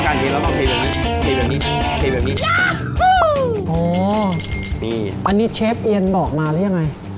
อันนี้เชฟเอียนบอกมาหรือยังไง